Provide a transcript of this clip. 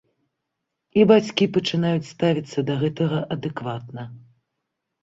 І бацькі пачынаюць ставіцца да гэтага адэкватна.